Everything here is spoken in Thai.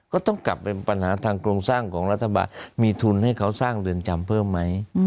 ก็ต้องกลับเป็นปัญหาทางโครงสร้างของรัฐบาลมีทุนให้เขาสร้างเรือนจำเพิ่มไหม